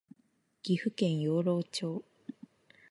岐阜県養老町